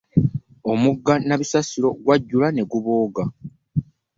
Omugga Nabisasiro gwajula ne gubooga.